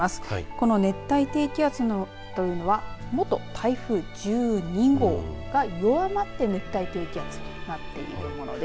この熱帯低気圧というのは元台風１２号が弱まって熱帯低気圧になっているものです。